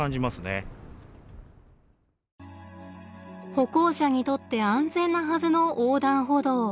歩行者にとって安全なはずの横断歩道。